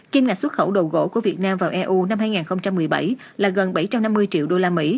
kim ngạch xuất khẩu đồ gỗ của việt nam vào eu năm hai nghìn một mươi bảy là gần bảy trăm năm mươi triệu usd